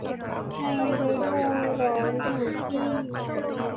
ในฤดูร้อนอยู่ที่